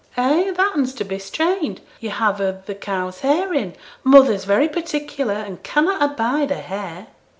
'Eh? that'n 's to be strained. Yo' have a' the cow's hair in. Mother's very particular, and cannot abide a hair.'